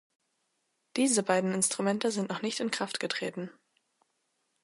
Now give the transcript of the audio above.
Diese beiden Instrumente sind noch nicht in Kraft getreten.